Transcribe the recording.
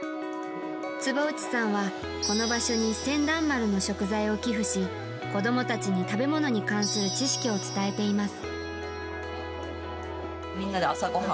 坪内さんはこの場所に船団丸の食材を寄付し子供たちに食べ物に関する知識を伝えています。